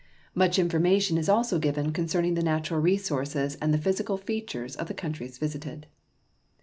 Much information is also given con cerning the natural resources and the physical features of the countries visited.